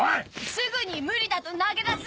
すぐに無理だと投げ出す！